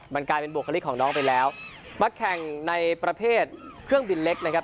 มันกลายเป็นบุคลิกของน้องไปแล้วมาแข่งในประเภทเครื่องบินเล็กนะครับ